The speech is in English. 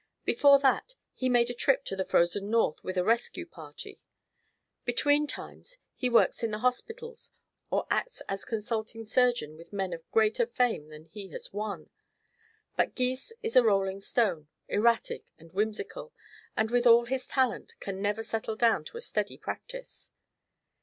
Before that, he made a trip to the frozen North with a rescue party. Between times, he works in the hospitals, or acts as consulting surgeon with men of greater fame than he has won; but Gys is a rolling stone, erratic and whimsical, and with all his talent can never settle down to a steady practice."